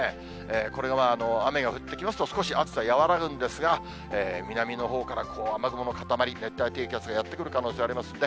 これが雨が降ってきますと、少し暑さ和らぐんですが、南のほうから雨雲の固まり、熱帯低気圧がやって来る可能性ありますんで、